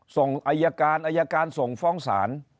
ส่งอายการอายการส่งฟ้องศาล